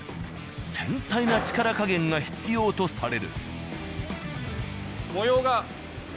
繊細な力加減が必要とされる。